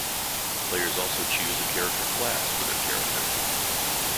Players also choose a character class for their character.